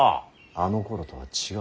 あのころとは違うんだ。